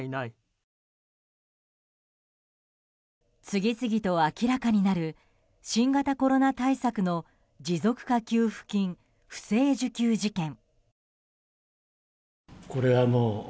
次々と明らかになる新型コロナ対策の持続化給付金不正受給事件。